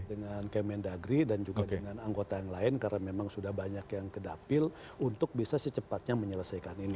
dengan kemendagri dan juga dengan anggota yang lain karena memang sudah banyak yang ke dapil untuk bisa secepatnya menyelesaikan ini